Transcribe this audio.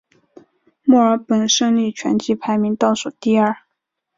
墨尔本胜利全季排名倒数第二。